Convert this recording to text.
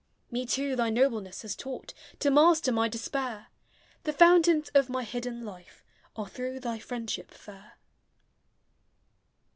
Me too thy nobleness has taught To master my despair; The fountains of my hidden life re through thy friendship fair.